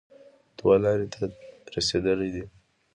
دوه لارې ته رسېدلی دی